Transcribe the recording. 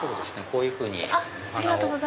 こういうふうにお花を。